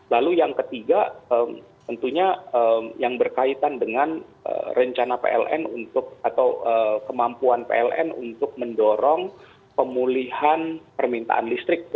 lalu yang ketiga tentunya yang berkaitan dengan rencana pln untuk atau kemampuan pln untuk mendorong pemulihan permintaan listrik